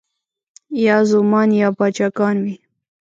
یا زومان یا باجه ګان وي